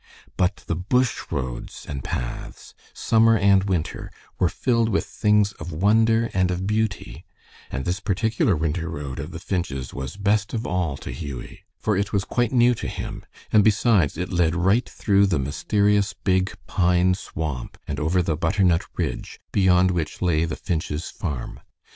But the bush roads and paths, summer and winter, were filled with things of wonder and of beauty, and this particular winter road of the Finch's was best of all to Hughie, for it was quite new to him, and besides, it led right through the mysterious, big pine swamp and over the butternut ridge, beyond which lay the Finch's farm.